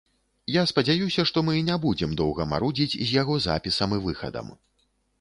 Я спадзяюся, што мы не будзем доўга марудзіць з яго запісам і выхадам.